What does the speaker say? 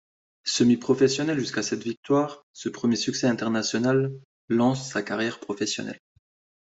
Semi-professionnel jusqu'à cette victoire, ce premier succès international lance sa carrière professionnelle.